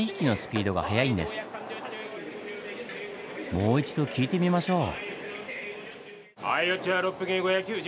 もう一度聞いてみましょう。